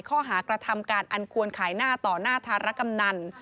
ข้อหากระทำการอันควรขายหน้าต่อหน้าธารกำนัน